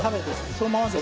そのままで。